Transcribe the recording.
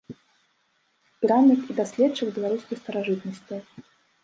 Збіральнік і даследчык беларускіх старажытнасцяў.